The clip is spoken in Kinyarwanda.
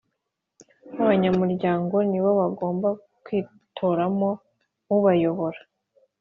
Abanyamuryango nibo bagomba kwitoramo ubayobora